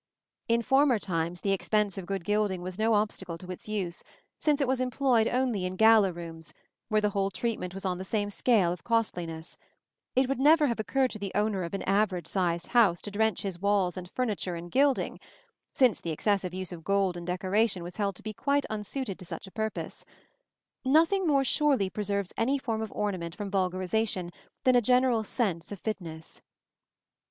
In former times the expense of good gilding was no obstacle to its use, since it was employed only in gala rooms, where the whole treatment was on the same scale of costliness: it would never have occurred to the owner of an average sized house to drench his walls and furniture in gilding, since the excessive use of gold in decoration was held to be quite unsuited to such a purpose. Nothing more surely preserves any form of ornament from vulgarization than a general sense of fitness.